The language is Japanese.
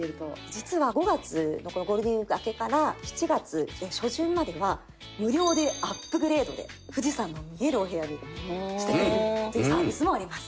実は５月のゴールデンウィーク明けから７月初旬までは無料でアップグレードで富士山の見えるお部屋にしてくれるというサービスもあります。